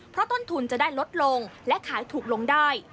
เพราะต้นทุนจะได้ลดลงและขายถูกลงได้